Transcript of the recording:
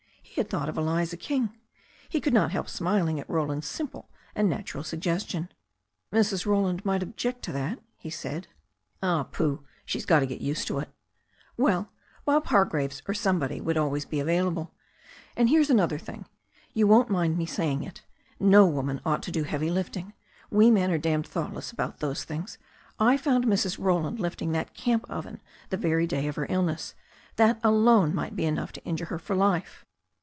He had thought of Eliza King. He could not help smiling at Roland's simple and natural suggestion. "Mrs. Roland might object to that," he said. "Oh, pooh! She's got to get used to it." "Well, Bob Hargraves or somebody would always be available. And there's another thing. You won't mind my saying it. No woman ought to do heavy lifting. We men are damned thoughtless about those things. I found Mrs. Roland lifting that camp oven the very day of her illness. That alone might be enough to injure her for life."